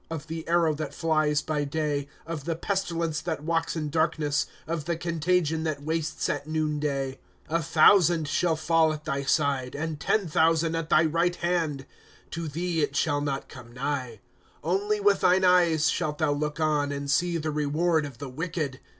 Of the arrow that flies by day ; 6 Of the pestilence that walks in darkness, Of the contagion that wastes at noon day. ■> A thousand shall fall at thy side, And ten thousand at thy right hand ; To thee it shall not come nigh, 8 Only with thine eyes shalt thou look on, And see the reward of the wicked.